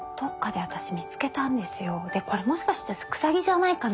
でこれもしかしてくさぎじゃないかな